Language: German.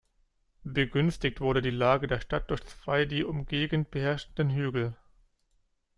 Begünstigt wurde die Lage der Stadt durch zwei die Umgegend beherrschende Hügel.